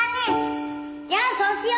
じゃあそうしよう！